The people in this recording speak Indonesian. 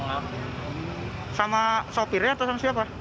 sama sopirnya atau sama siapa